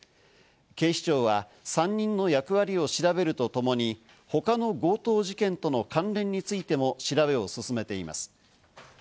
警視庁は３人の役割を調べるとともに、他の強盗事件との関連についても調べを進めています。